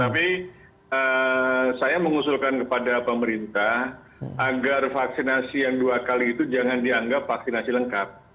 tapi saya mengusulkan kepada pemerintah agar vaksinasi yang dua kali itu jangan dianggap vaksinasi lengkap